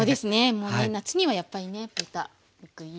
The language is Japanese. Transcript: もうね夏にはやっぱりね豚肉いいですよね。